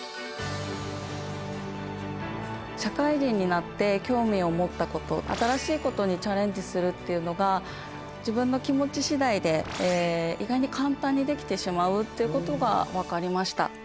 社会人になって興味を持ったこと新しいことにチャレンジするっていうのが自分の気持ち次第で意外に簡単にできてしまうっていうことが分かりました。